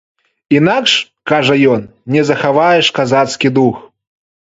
Інакш, кажа ён, не захаваеш казацкі дух.